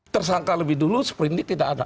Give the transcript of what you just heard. tersangka lebih dulu seperindik tidak ada